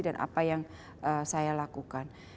dan apa yang saya lakukan